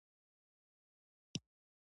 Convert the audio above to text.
اوړي د افغانانو د تفریح یوه وسیله ده.